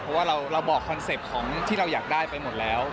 เพราะว่าเราบอกคอนเซ็ปต์ของที่เราอยากได้ไปหมดแล้ว